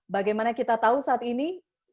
bagaimana kita tahu saat ini